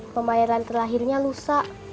pembayaran terakhirnya lusa